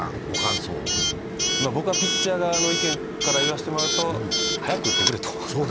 僕はピッチャー側の意見から言わせてもらうと、早く打ってくれと。